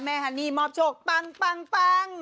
แม่ฮันนี่มอบโชคปังปังปัง